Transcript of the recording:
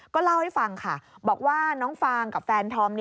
ก็เล่าให้ฟังค่ะบอกว่าน้องฟางกับแฟนธอม